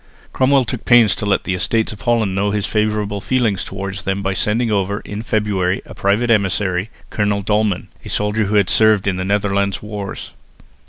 Cromwell took pains to let the Estates of Holland know his favourable feelings towards them by sending over, in February, a private emissary, Colonel Dolman, a soldier who had served in the Netherland wars.